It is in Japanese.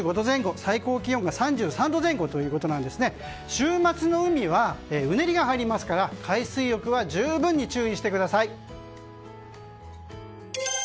週末の海はうねりが入りますから海水浴は十分に注意してください。